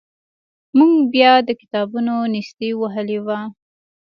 موږ بیا د کتابونو نیستۍ وهلي وو.